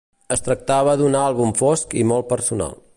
Es tractava d'un àlbum fosc i molt personal.